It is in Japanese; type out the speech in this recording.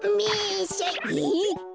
えっ？